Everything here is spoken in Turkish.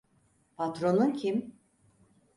Patronun kim?